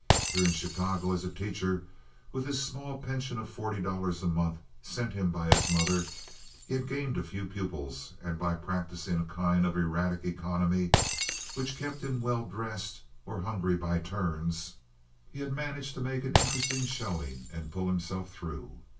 Here in Chicago as a teacher, with his small pension of forty dollars a month sent him by his mother, he had gained a few pupils, and by practising a kind of erratic economy, which kept him well dressed or hungry by turns, he had managed to make an interesting showing and pull himself through.